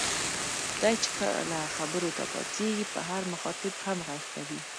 دی چې کله خبرو ته پاڅېږي په هر مخاطب هم غږ کوي.